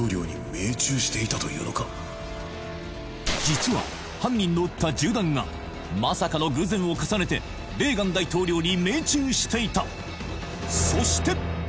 実は犯人の撃った銃弾がまさかの偶然を重ねてレーガン大統領に命中していたそして！